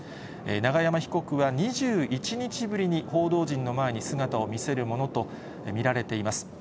永山被告は２１日ぶりに報道陣の前に姿を見せるものと見られています。